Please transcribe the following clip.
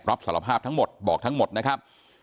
รับสารภาพทั้งหมดบอกทั้งหมดนะครับ